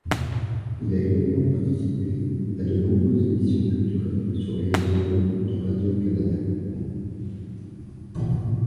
Il a également participé à de nombreuses émissions culturelles sur les ondes de Radio-Canada.